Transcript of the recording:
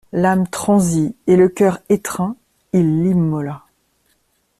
L'âme transie et le cœur étreint, il l'immola.